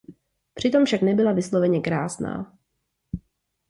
Přitom však nebyla vysloveně krásná.